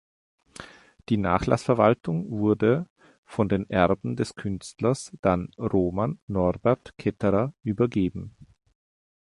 Die Nachlassverwaltung wurde von den Erben des Künstlers dann Roman Norbert Ketterer übergeben.